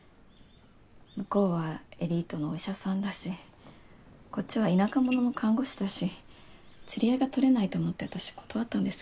向こうはエリートのお医者さんだしこっちは田舎者の看護師だし釣り合いがとれないと思って私断ったんです。